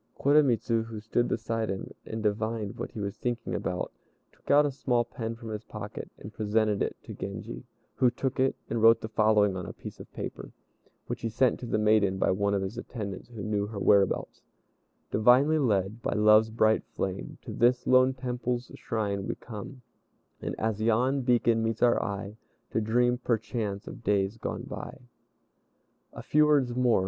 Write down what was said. Koremitz, who stood beside him, and divined what he was thinking about, took out a small pen from his pocket and presented it to Genji, who took it and wrote the following on a piece of paper, which he sent to the maiden by one of his attendants who knew her whereabouts: "Divinely led by love's bright flame, To this lone temple's shrine we come; And as yon beacon meets our eye, To dream, perchance, of days gone by." A few words more.